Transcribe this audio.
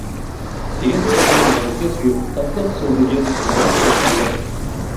دېگەنتى ئوغلۇم مەڭزىڭگە سۆيۈپ، تاتلىق سۆزلىگىن ناۋات قوشقاندەك.